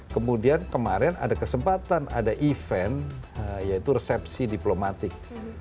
kemudian kemarin ada kesempatan ada event yaitu resepsi diplomatik